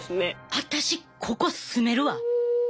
私ここ住めるわ。